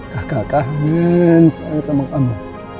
kakak kangen sama kamu